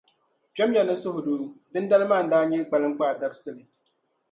Kpɛm ya li ni suhudoo, dindali maa ndaa nyɛ kpaliŋkpaa dabsili.